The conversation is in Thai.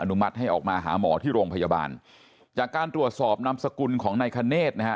มัติให้ออกมาหาหมอที่โรงพยาบาลจากการตรวจสอบนามสกุลของนายคเนธนะฮะ